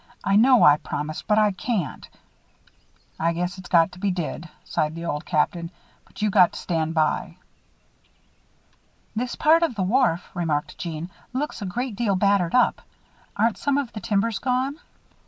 "I know I promised, but I can't." "I guess it's got to be did," sighed the Old Captain, "but you got to stand by." "This part of the wharf," remarked Jeanne, "looks a great deal battered up. Aren't some of the timbers gone?"